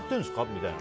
みたいな。